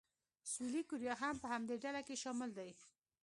سویلي کوریا هم په همدې ډله کې شامل دی.